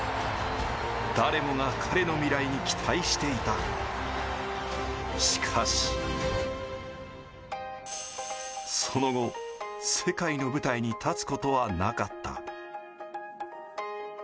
誰もが彼の未来に期待していたしかしその後、世界の舞台に立つことはなかった。